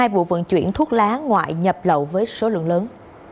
hai vụ vận chuyển thuốc lá ngoại nhập lậu với số lượng lớn